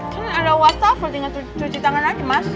kan ada wastafel tinggal cuci tangan aja mas